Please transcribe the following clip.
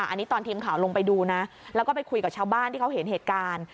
อันนี้ตอนทีมข่าวลงไปดูนะแล้วก็ไปคุยกับชาวบ้านที่เขาเห็นเหตุการณ์